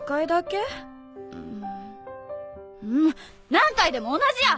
ん何回でも同じや！